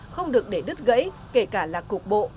không được để đứt gãy kể cả là cục bộ